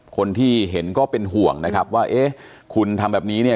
คนที่เห็นก็เป็นห่วงนะครับว่าเอ๊ะคุณทำแบบนี้เนี่ย